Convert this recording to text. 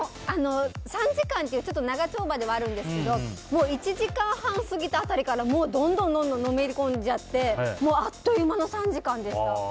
３時間という、ちょっと長丁場ではあるんですけど１時間半過ぎた辺りからどんどん、どんどんのめり込んじゃってあっという間の３時間でした。